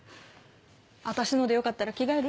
私のでよかったら着替える？